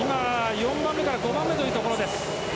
４番目から５番目というところ。